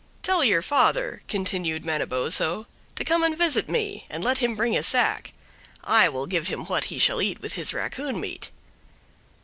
"Tell your father," continued Manabozho, "to come and visit me, and let him bring a sack. I will give him what he shall eat with his raccoon meat."